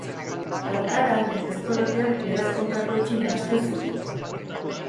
Hartara, legezko loteak legez kontrakoekin nahasten zituzten.